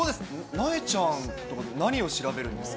なえちゃんとか、何を調べるんですか？